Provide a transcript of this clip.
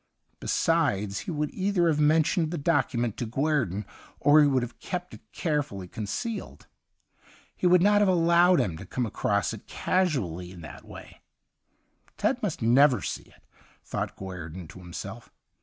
Besides, he would either have men tioned the document to Guerdon, or he would have kept it carefully concealed. He would not have 154 THE UNDYING THING allowed him to come across it casually in that way. ' Ted must never see it/ thought Guerdon to himself.